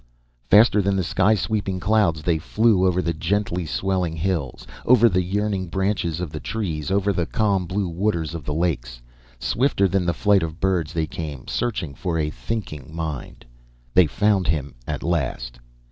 Faster than the sky sweeping clouds they flew, over the gently swelling hills, over the yearning branches of the trees, over the calm blue waters of the lakes. Swifter than the flight of birds they came, searching for a thinking mind ... They found him at last.